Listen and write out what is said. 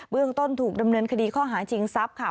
เรื่องต้นถูกดำเนินคดีข้อหาชิงทรัพย์ค่ะ